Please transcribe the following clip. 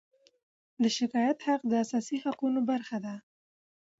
د شکایت حق د اساسي حقونو برخه ده.